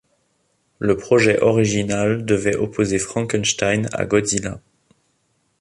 Le projet original devait opposer Frankenstein à Godzilla.